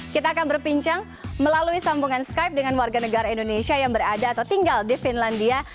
kita akan berbincang melalui sambungan skype dengan warga negara indonesia yang berada atau tinggal di finlandia